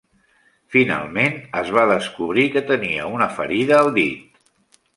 Finalment, es va descobrir que tenia una ferida al dit.